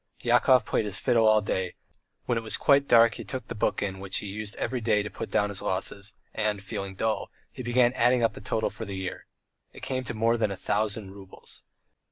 Yakov played his fiddle all day; when it was quite dark he took the book in which he used every day to put down his losses, and, feeling dull, he began adding up the total for the year. It came to more than a thousand roubles.